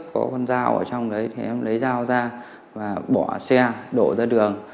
có con dao ở trong đấy thì em lấy dao ra và bỏ xe đổ ra đường